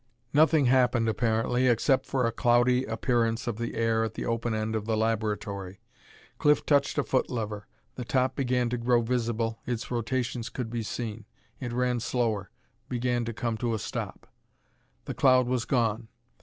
Nothing happened apparently, except for a cloudy appearance of the air at the open end of the laboratory. Cliff touched a foot lever. The top began to grow visible, its rotations could be seen; it ran slower, began to come to a stop. The cloud was gone.